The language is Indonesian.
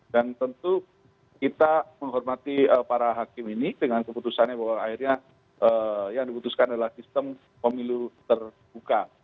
dan tentu kita menghormati para hakim ini dengan keputusannya bahwa akhirnya yang diputuskan adalah sistem pemilu terbuka